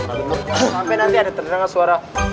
sampai nanti ada terderangan suara